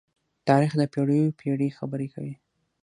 تاریخ د پېړيو پېړۍ خبرې کوي.